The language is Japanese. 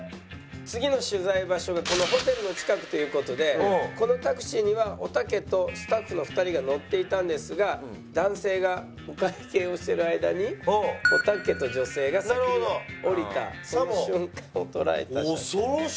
次の取材場所がこのホテルの近くという事でこのタクシーにはおたけとスタッフの２人が乗っていたんですが男性がお会計をしている間におたけと女性が先に降りたその瞬間を捉えた写真。